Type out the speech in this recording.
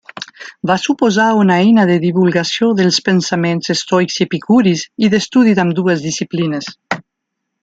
Va suposar una eina de divulgació dels pensaments estoics i epicuris i d'estudi d'ambdues disciplines.